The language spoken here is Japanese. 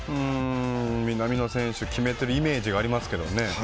南野選手、決めてるイメージがありますけどね。